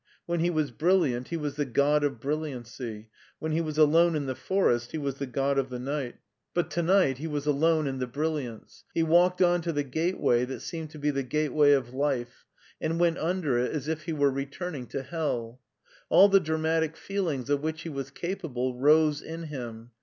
When he was brilliant he was the god of brilliancy; when he was alone in the forest he was the god of the night ; but BERLIN 333 to night he was alone in the brilliance. He walked on to the gateway that seemed to be the gateway of life, and went under it as if he were returning to hell All the dramatic feelings of which he was capable rose in him.